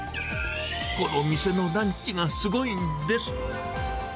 この店のランチがすごいんです。